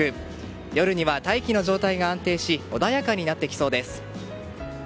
夜には大気の状態が安定し穏やかになってきそうです。